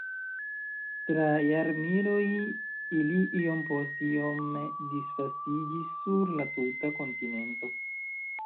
Tra jarmiloj ili iom post iom disvastiĝis sur la tuta kontinento.